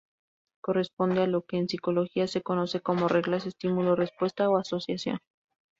Corresponde a lo que en psicología se conoce como reglas estímulo-respuesta o asociaciones.